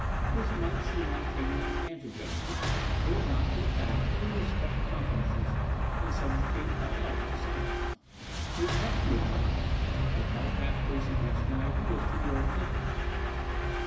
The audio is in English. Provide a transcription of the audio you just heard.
This might seem like taking an advantage of you, were it not for the fact that we respect confidences, and subjugate all else to science. We have helped you at times, by telepathically suggesting ideas to your thinkers.